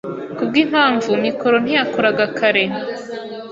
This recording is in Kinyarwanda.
Kubwimpamvu mikoro ntiyakoraga kare.